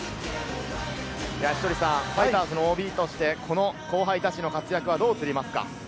稀哲さん、ファイターズのＯＢとしてこの後輩たちの活躍はどう映りますか？